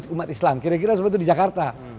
umat islam kira kira seperti itu di jakarta